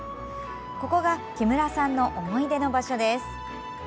ここが、木村さんの思い出の場所です。